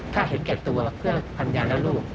ถ้าเห็นแก่ตัวเพื่อพัญญาณและรูป